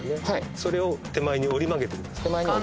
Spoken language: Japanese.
はいそれを手前に折り曲げてください